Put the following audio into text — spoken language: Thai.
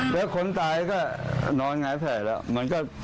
แล้วคนตายก็นอนหงายแผลแล้วมันก็